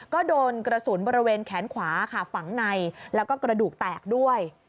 ก็โดนกระสุนบริเวณแขนขวาค่ะฝังในแล้วก็กระดูกแตกด้วย